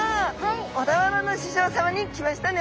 小田原の市場さまに来ましたね！